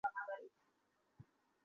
আমি আসলে এই মানুষদের বুঝে উঠতে পারি না।